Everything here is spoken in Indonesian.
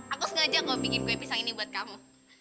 aku sengaja kok bikin kue pisang ini buat kamu